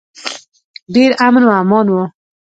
ډیر امن و امان و.